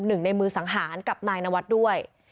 หนึ่งในมือสังหารกับนายนวัดด้วย